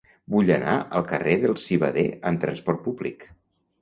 Vull anar al carrer del Civader amb trasport públic.